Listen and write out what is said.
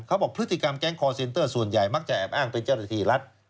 เขาบอกพฤติกรรมแก๊งคอร์เซ็นเตอร์ส่วนใหญ่มักจะแอบอ้างเป็นเจ้าหน้าที่รัฐ